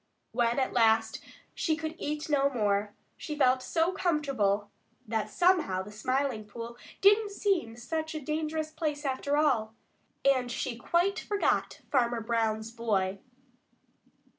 When at last she could eat no more, she felt so comfortable that somehow the Smiling Pool didn't seem such a dangerous place after all, and she quite forgot Farmer Brown's boy.